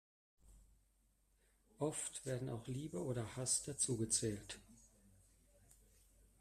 Oft werden auch Liebe oder Hass dazugezählt.